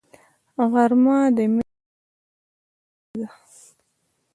غرمه د مینې د اظهار ښه شیبه ده